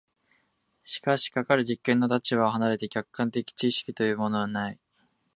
しかしかかる実験の立場を離れて客観的知識というものはない。